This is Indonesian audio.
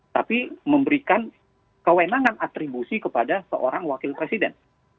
tapi memberikan kewenangan atribusi kepada seorang wakil presiden